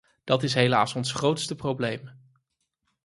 Dat is helaas ons grootste probleem.